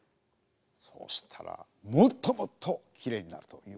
そしたらもっともっときれいになるという。